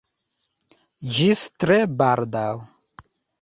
Ĝis tre baldaŭ!